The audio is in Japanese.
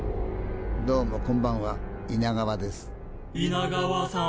どうもこんばんはイナガワです。